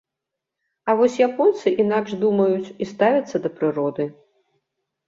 А вось японцы інакш думаюць і ставяцца да прыроды.